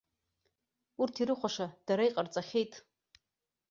Урҭ ирыхәаша дара иҟарҵахьеит.